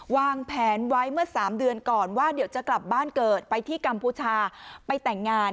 วางแผนไว้เมื่อ๓เดือนก่อนว่าเดี๋ยวจะกลับบ้านเกิดไปที่กัมพูชาไปแต่งงาน